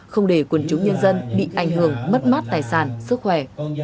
không để quần chúng nhân dân bị ảnh hưởng mất mát tài sản sức khỏe